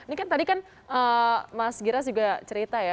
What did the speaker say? ini kan tadi kan mas giras juga cerita ya